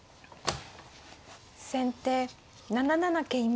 先手７七桂馬。